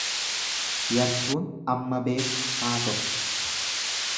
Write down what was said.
Yartuun amma beektu haasoofti.